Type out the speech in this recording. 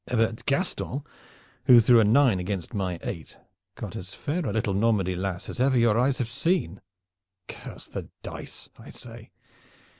But Gaston, who threw a nine against my eight, got as fair a little Normandy lass as ever your eyes have seen. Curse the dice, I say!